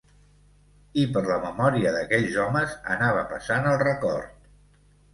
I per la memòria d'aquells homes anava passant el record.